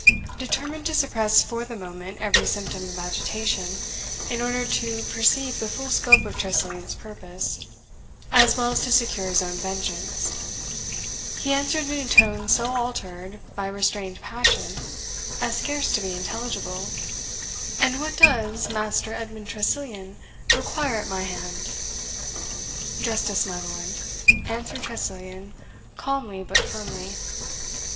Determined to suppress for the moment every symptom of agitation, in order to perceive the full scope of Tressilian's purpose, as well as to secure his own vengeance, he answered in a tone so altered by restrained passion as scarce to be intelligible, "And what does Master Edmund Tressilian require at my hand?" "Justice, my lord," answered Tressilian, calmly but firmly.